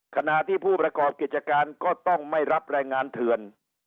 ขณะที่ผู้ประกอบกิจการก็ต้องไม่รับแรงงานเถื่อน